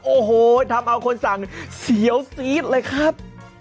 โอ้โหทำเอาคนสั่งเสียวซีดเลยครับ